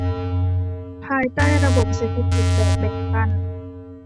ภายใต้ระบบเศรษฐกิจแบบแบ่งปัน